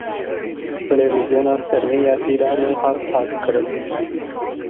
Televîzyona fermî ya Îranê hat hakkirin.